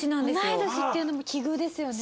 同い年っていうのも奇遇ですよね。